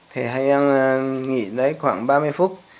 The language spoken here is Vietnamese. thì hay nghỉ khoảng ba mươi phút